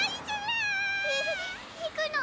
い行くの？